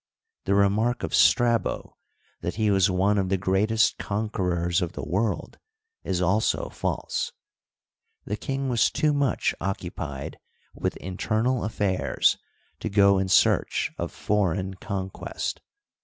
The remark of Strabo that he was one of the great est conquerors of the world is also false. The king was too much occupied with internal affairs to go in search of foreign conquest.